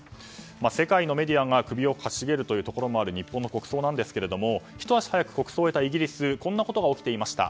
世界のメディアが首をかしげるところもある日本の国葬なんですけどひと足早く国葬を終えたイギリスこんなことが起きていました。